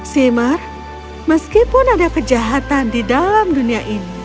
seimar meskipun ada kejahatan di dalam dunia ini